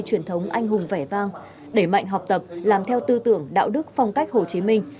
truyền thống anh hùng vẻ vang đẩy mạnh học tập làm theo tư tưởng đạo đức phong cách hồ chí minh